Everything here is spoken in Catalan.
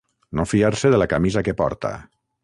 No fiar-se de la camisa que porta.